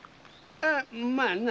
あまあな。